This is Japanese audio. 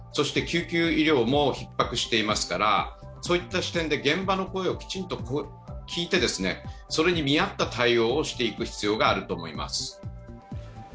救急医療もひっ迫していますから、そういった視点で現場の声をきちんと聞いてそれに見合った対応をしていく必要があると思います。